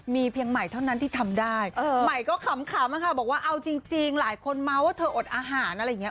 มีเพียงใหม่เท่านั้นที่ทำได้ใหม่ก็ขำค่ะบอกว่าเอาจริงหลายคนเมาส์ว่าเธออดอาหารอะไรอย่างนี้